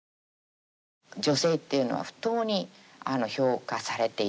女性っていうのは不当に評価されていない。